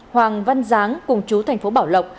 hoàng văn giáng cùng chú thành phố bảo lộng